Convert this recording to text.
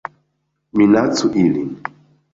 Minacu ilin